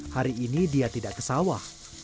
hari ini dia tidak kesawah